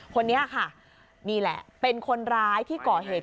คนนี้ค่ะนี่แหละเป็นคนร้ายที่ก่อเหตุ